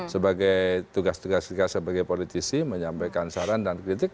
sebagai tugas tugas kita sebagai politisi menyampaikan saran dan kritik